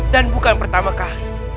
dan bukan pertama kali